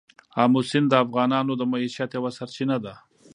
آمو سیند د افغانانو د معیشت یوه سرچینه ده.